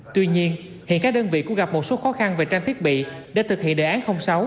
tuy nhiên hiện các đơn vị cũng gặp một số khó khăn về trang thiết bị để thực hiện đề án sáu